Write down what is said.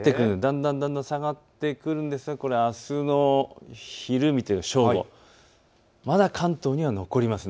だんだん下がってくるんですがこれはあすの昼、正午、まだ関東には残ります。